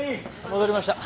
戻りました。